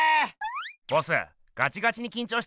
ボスガチガチにきんちょうしてますね。